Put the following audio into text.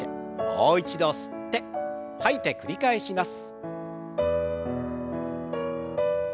もう一度吸って吐いて繰り返します。